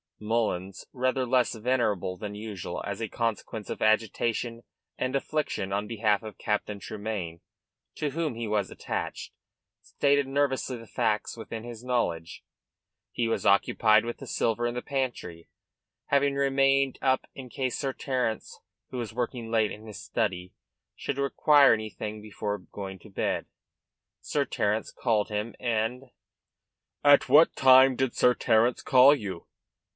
Mullins, rather less venerable than usual, as a consequence of agitation and affliction on behalf of Captain Tremayne, to whom he was attached, stated nervously the facts within his knowledge. He was occupied with the silver in his pantry, having remained up in case Sir Terence, who was working late in his study, should require anything before going to bed. Sir Terence called him, and "At what time did Sir Terence call you?"